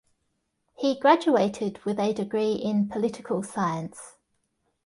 He graduated with a degree in political science.